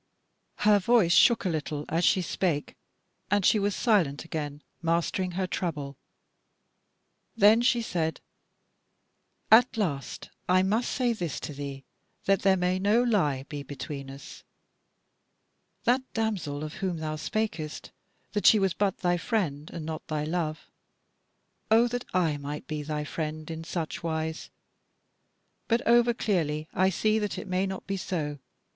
Her voice shook a little as she spake, and she was silent again, mastering her trouble. Then she said: "At last I must say this to thee, that there may no lie be between us. That damsel of whom thou spakest that she was but thy friend, and not thy love O that I might be thy friend in such wise! But over clearly I see that it may not be so.